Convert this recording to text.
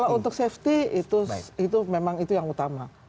kalau untuk safety itu memang itu yang utama